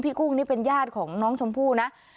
กุ้งนี่เป็นญาติของน้องชมพู่นะ